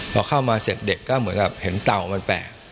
พอเข้ามาเสร็จเด็กก็เหมือนกับเห็นเตามันแปลก